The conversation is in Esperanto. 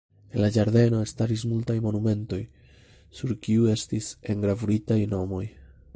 En la ĝardeno staris multaj monumentoj, sur kiuj estis engravuritaj nomoj.